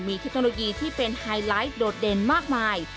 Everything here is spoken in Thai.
มีเทคโนโลยีที่เป็นไฮไลท์โดดเด่นมากมาย